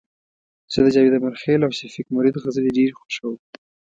زه د جاوید امرخیل او شفیق مرید غزلي ډيري خوښوم